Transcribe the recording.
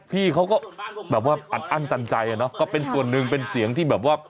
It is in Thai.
พี่เขาก็แบบว่าอัดอั้นตันใจอ่ะเนอะก็เป็นส่วนหนึ่งเป็นเสียงที่แบบว่า